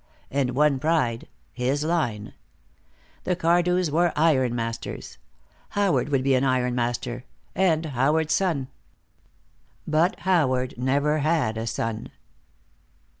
And one pride, his line. The Cardews were iron masters. Howard would be an iron master, and Howard's son. But Howard never had a son.